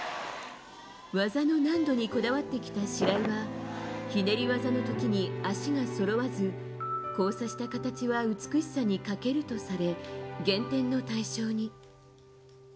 技の難度にこだわってきた白井はひねり技の時に足がそろわず交差した形は美しさに欠けるとされ減点の対象に。